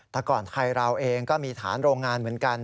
แต่ก่อนไทยเราเองก็มีฐานโรงงานเหมือนกัน